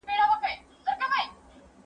زه اجازه لرم چي لیکل وکړم